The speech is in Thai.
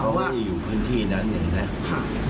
พวกพวกพวกพวกอยู่คลุกพื้นที่นั้นนึงนะ